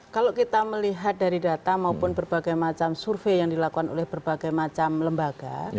karena kita melihat dari data maupun berbagai macam survei yang dilakukan oleh berbagai macam lembaga